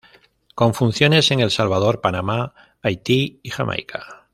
Con funciones en El Salvador, Panamá, Haití y Jamaica.